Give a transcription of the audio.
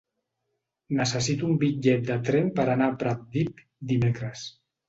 Necessito un bitllet de tren per anar a Pratdip dimecres.